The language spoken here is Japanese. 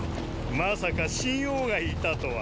まさか秦王がいたとは。